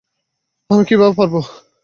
আমি কিভাবে পারবো?